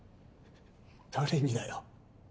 誰にだよ。